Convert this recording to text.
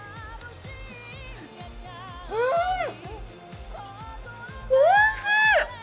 うーん、おいしい。